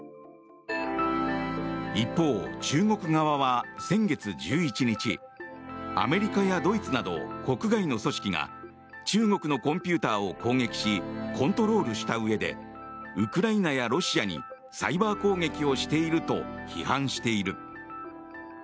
一方、中国側は先月１１日アメリカやドイツなど国外の組織が中国のコンピューターを攻撃しコントロールしたうえでウクライナやロシアにサイバー攻撃をしていると批判している。